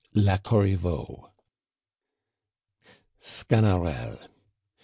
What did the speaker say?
LA CORRIVEAU. Sganarelle.